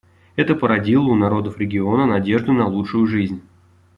Это породило у народов региона надежду на лучшую жизнь.